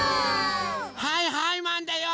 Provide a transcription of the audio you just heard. はいはいマンだよ！